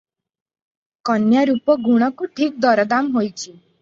କନ୍ୟା ରୂପ ଗୁଣକୁ ଠିକ୍ ଦରଦାମ ହୋଇଛି ।